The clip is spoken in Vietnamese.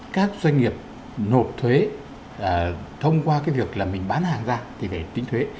các doanh nghiệp nộp thuế thông qua cái việc là mình bán hàng ra thì phải tính thuế